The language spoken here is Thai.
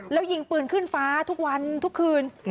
แล้วยิงปืนขึ้นฟ้าทุกวันทุกคืน